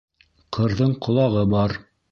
Ҡырҙың ҡолағы бар.